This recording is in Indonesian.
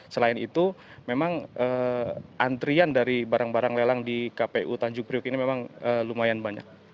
selain itu memang antrian dari barang barang lelang di kpu tanjung priuk ini memang lumayan banyak